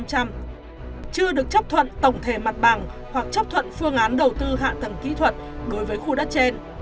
chưa được chấp thuận tổng thể mặt bằng hoặc chấp thuận phương án đầu tư hạ tầng kỹ thuật đối với khu đất trên